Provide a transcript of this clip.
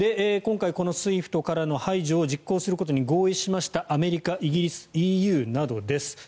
今回、このＳＷＩＦＴからの排除を実行することに合意しました、アメリカイギリス、ＥＵなどです